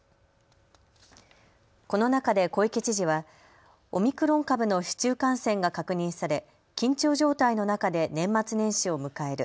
この中で小池知事はオミクロン株の市中感染が確認され、緊張状態の中で年末年始を迎える。